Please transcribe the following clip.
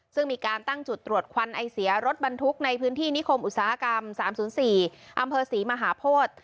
ซึ่งมีการตั้งจุดตรวจควันไอเสียรถบรรทุกในพื้นที่นิคมอุตสาหกรรม๓๐๔อำเภอศรีมหาโพธิ